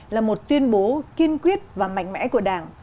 là một tuyên bố kiên quyết và mạnh mẽ của đảng